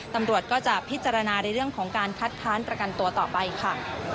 ตำรวจก็จะพิจารณาในเรื่องของการคัดค้านประกันตัวต่อไปค่ะ